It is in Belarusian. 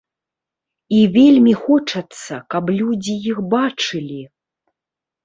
І вельмі хочацца, каб людзі іх бачылі.